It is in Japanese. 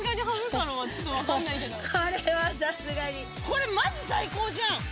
これマジ最高じゃん。